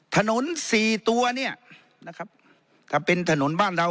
ถนนสี่ตัวเนี่ยนะครับถ้าเป็นถนนบ้านเรา